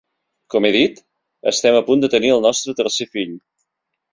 Com he dit, estem a punt de tenir el nostre tercer fill.